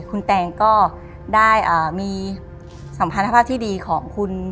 คุณแตงก็ได้มีสัมพันธภาพที่ดีของคุณ